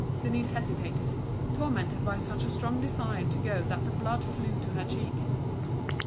Denise hesitated, tormented by such a strong desire to go that the blood flew to her cheeks.